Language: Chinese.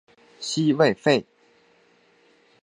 西魏废。